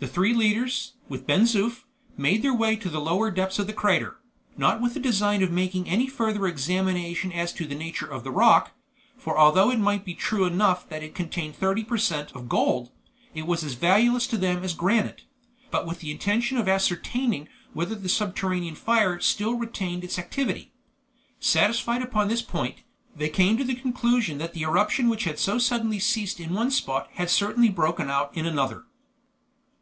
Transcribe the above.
The three leaders, with Ben Zoof, made their way to the lower depths of the crater, not with the design of making any further examination as to the nature of the rock for although it might be true enough that it contained thirty per cent. of gold, it was as valueless to them as granite but with the intention of ascertaining whether the subterranean fire still retained its activity. Satisfied upon this point, they came to the conclusion that the eruption which had so suddenly ceased in one spot had certainly broken out in another.